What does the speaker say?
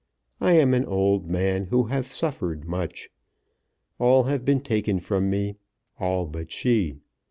I am an old man who have suffered much. All have been taken from me; all but she.